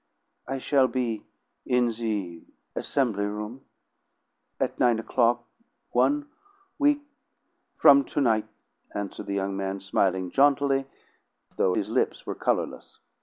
"I shall be in the Assemily Room' at nine o'clock, one week from to night," answered the young man, smiling jauntily, though his lips were colorless.